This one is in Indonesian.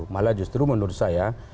malah justru menurut saya